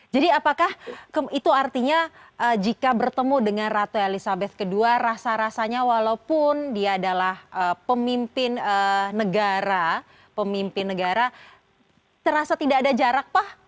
jadi apakah itu artinya jika bertemu dengan ratu elizabeth ii rasa rasanya walaupun dia adalah pemimpin negara terasa tidak ada jarak pak